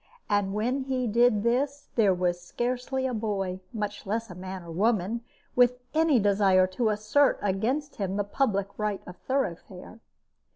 And when he did this, there was scarcely a boy, much less a man or woman, with any desire to assert against him the public right of thoroughfare.